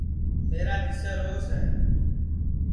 میرا تِسسے روس ہے